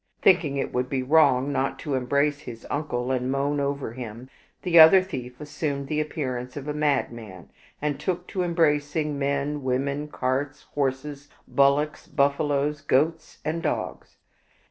Thinking it would be wrong not to embrace his uncle and moan over him, the other thief assumed the appearance of a madman, and took to embracing men, women, carts, horses, bullocks, buffaloes, goats, and dogs.